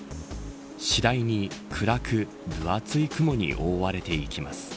次第に暗く分厚い雲に覆われていきます。